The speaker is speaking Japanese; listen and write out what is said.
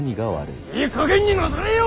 いいかげんになされよ！